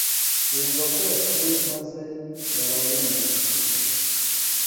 bumva ko yapfuye maze barabunduka